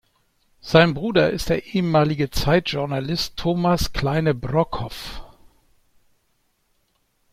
Sein Bruder ist der ehemalige Zeit-Journalist Thomas Kleine-Brockhoff.